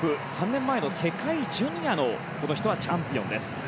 ３年前の世界ジュニアのチャンピオンです。